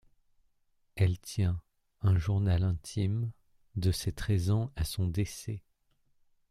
Elle tient un journal intime, de ses treize ans à son décès.